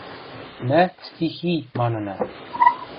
Мӓ «стихий» манына.